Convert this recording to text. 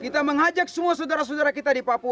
kita mengajak semua saudara saudara kita di papua